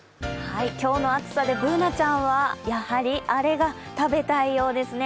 今日の暑さでＢｏｏｎａちゃんはやはりあれが食べたいそうですね。